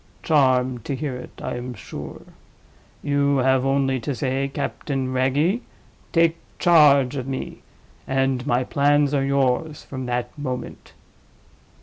"Charmed to hear it, I am sure. You have only to say, 'Captain Wragge, take charge of me'—and my plans are yours from that moment."